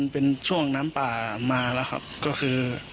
เป็นช่วงน้ำป่ามาแล้วครับก็คือ